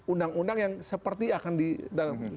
undang undang yang seperti akan di dalam